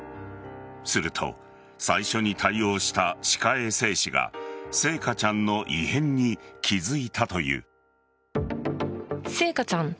すると、最初に対応した歯科衛生士が星華ちゃんの異変に気付いたという。